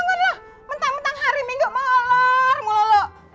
bentang bentang hari minggu melololok